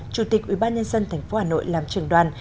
chủ tịch ủy ban nhân dân thành phố hà nội làm trường đoàn